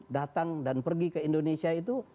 datang dan pergi ke indonesia itu